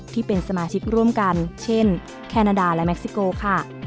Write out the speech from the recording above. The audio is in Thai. ที่เป็นสมาชิกร่วมกันเช่นแคนาดาและเค็กซิโกค่ะ